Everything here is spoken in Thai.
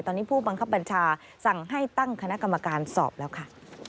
ตอนนี้ผู้บังคับบัญชาสั่งให้ตั้งคณะกรรมการสอบแล้วค่ะ